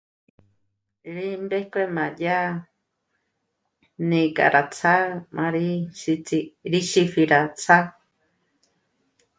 Rí ndéko má dyà né'e ka rá ts'á'a má rí xîts'i... rí xîpji rá ts'á'a